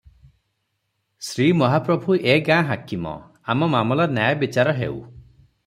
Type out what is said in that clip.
ଶ୍ରୀମହାପ୍ରଭୁ ଏ ଗାଁ ହାକିମ, ଆମ ମାମଲା ନ୍ୟାୟ ବିଚାର ହେଉ ।